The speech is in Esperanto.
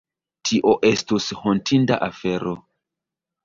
Tio estus hontinda afero.